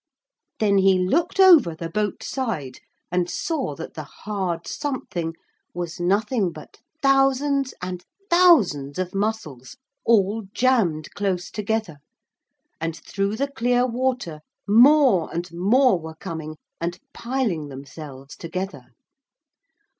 Then he looked over the boat side, and saw that the hard something was nothing but thousands and thousands of mussels all jammed close together, and through the clear water more and more were coming and piling themselves together.